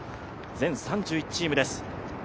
全３１チームです。